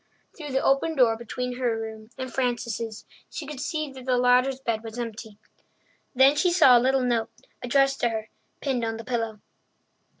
Through the open door between her room and Frances's she could see that the latter's bed was empty. Then she saw a little note, addressed to her, pinned on the pillow.